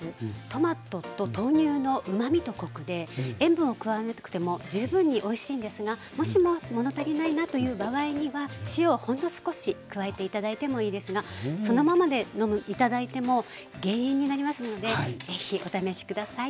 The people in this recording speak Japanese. トマトと豆乳のうまみとコクで塩分を加えなくても十分においしいんですがもしも物足りないなという場合には塩をほんの少し加えて頂いてもいいですがそのままで頂いても減塩になりますので是非お試し下さい。